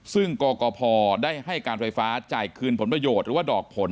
ซึ่งกกพได้ให้การไฟฟ้าจ่ายคืนผลประโยชน์หรือว่าดอกผล